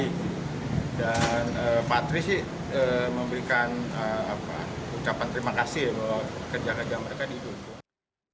dan patri sih memberikan ucapan terima kasih bahwa kerja kerja mereka dihukum